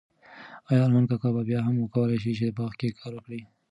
ایا ارمان کاکا به بیا هم وکولای شي په باغ کې کار وکړي؟